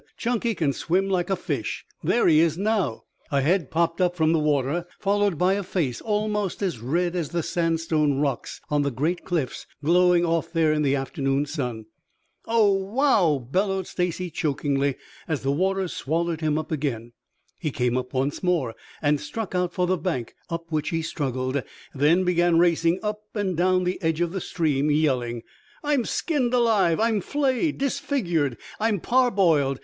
"Chunky can swim like a fish. There he is now." A head popped up from the water, followed by a face almost as red as the sandstone rocks on the great cliffs glowing off there in the afternoon sun. "Oh, wow!" bellowed Stacy chokingly, as the waters swallowed him up again. He came up once more and struck out for the bank, up which he struggled, then began racing up and down the edge of the stream yelling: "I'm skinned alive! I'm flayed, disfigured! I'm parboiled!